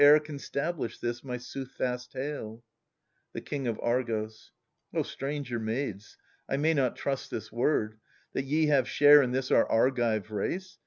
My word shall give ^,o Whate'er can stablish this my soothfast tale. * The King of Argos. stranger maids, I may not trust this word, That ye have share in this our Argive race.